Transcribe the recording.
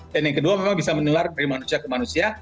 dan yang kedua memang bisa menular dari manusia ke manusia